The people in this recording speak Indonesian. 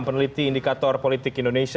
peneliti indikator politik indonesia